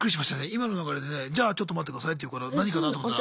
今の流れでねじゃあちょっと待ってくださいって言うから何かなと思ったら。